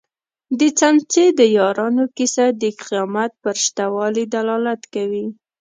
د څمڅې د یارانو کيسه د قيامت پر شته والي دلالت کوي.